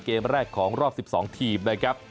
เกมแรกของรอบ๑๒ทีมนะครับ